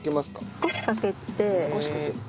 少しかける。